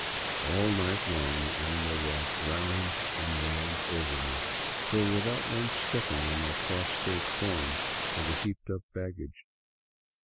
All night long the animal walked round and round over me, though without once stepping on my prostrate form or the heaped up baggage.